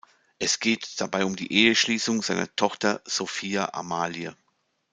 Es geht dabei um die Eheschließung seiner Tochter Sophia Amalie.